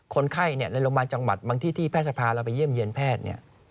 คนไข้ในโรงพยาบาลจังหวัดบางที่ที่แพทย์พาเราไปเยี่ยมเยี่ยนแพทย์